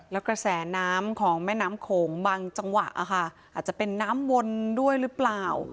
แล้วกระแสน้ำของแม่น้ำโขงบางจังหวะค่ะอาจจะเป็นน้ำวนด้วยหรือเปล่า